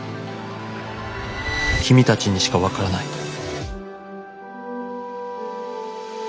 「君たちにしかわからない」。